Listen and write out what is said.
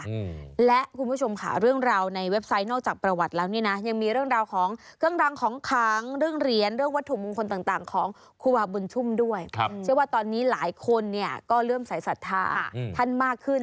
ดีว่าชาติศัฒนาอาจรู้จากสัตว์ไตรศัทราท่านมากขึ้น